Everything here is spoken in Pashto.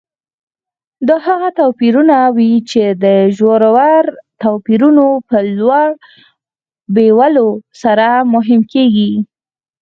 دا هغه توپیرونه وي چې د ژورو توپیرونو په لور بیولو سره مهم کېږي.